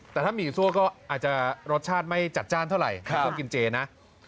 แต่ถ้าหมี่ซั่วก็อาจจะรสชาติไม่จัดจ้านเท่าไหร่ไม่ต้องกินเจนะ